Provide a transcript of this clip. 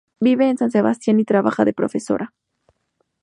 Vive en San Sebastián y trabaja de profesora.